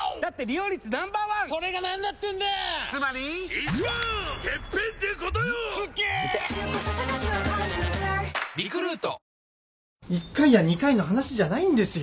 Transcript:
一回や二回の話じゃないんですよ！